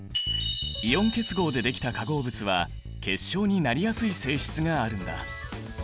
イオン結合でできた化合物は結晶になりやすい性質があるんだ。